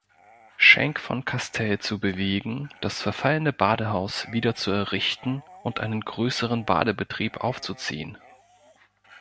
Schenk von Castell zu bewegen, das verfallene Badehaus wiederzuerrichten und einen größeren Badebetrieb aufzuziehen.